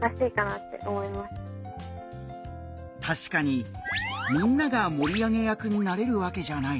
確かにみんなが盛り上げ役になれるわけじゃない。